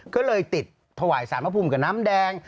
ก็เลยติดถวายสารพระภูมิกับน้ำแดง